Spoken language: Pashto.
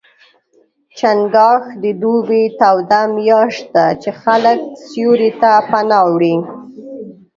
چنګاښ د دوبي توده میاشت ده، چې خلک سیوري ته پناه وړي.